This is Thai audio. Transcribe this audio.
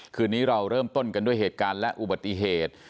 คืนนี้เราเริ่มต้นกันด้วยเหตุการณ์และอุบัติเหตุ